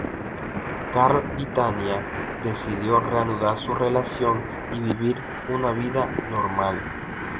Karl y Tanya decidió reanudar su relación y vivir una vida normal.